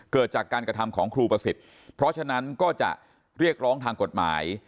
เกิดจากการกระทำของครูประสิทธิ์เพราะฉะนั้นก็จะเรียกร้องทางกฎหมาย